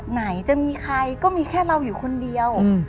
ไหนจะมีใครก็มีแค่เราอยู่คนเดียว